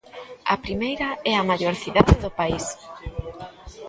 A primeira é a maior cidade do país.